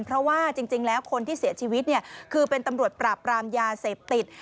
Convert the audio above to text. เพราะว่าจริงแล้วคนที่เสียชีวิตเนี่ยคือเป็นตำรวจปราบรามยาเสพติด